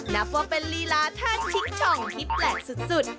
นับว่าเป็นลีลาท่าชิงช่องที่แปลกสุด